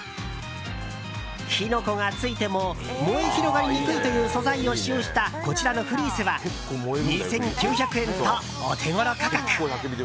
火の粉がついても燃え広がりにくいという素材を使用した、こちらのフリースは２９００円とお手頃価格。